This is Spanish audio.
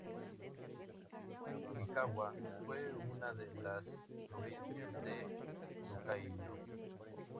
Mikawa fue una de las provincias de Tōkaidō.